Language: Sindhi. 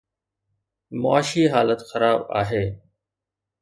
معاشي حالت خراب آهي.